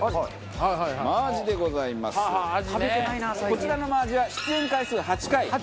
こちらの真アジは出演回数８回。